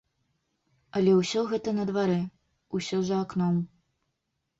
Але ўсё гэта на дварэ, усё за акном.